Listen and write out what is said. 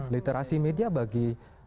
literasi media bagi